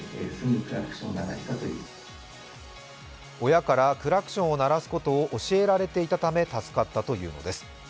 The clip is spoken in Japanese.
親からクラクションを鳴らすことを教えられていたため助かったというのです。